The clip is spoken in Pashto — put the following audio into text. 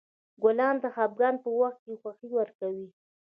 ګلان د خفګان په وخت خوښي ورکوي.